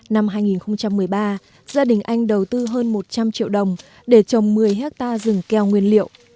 năm hai nghìn một mươi ba gia đình anh đầu tư hơn một trăm linh triệu đồng để trồng một mươi hectare rừng keo nguyên liệu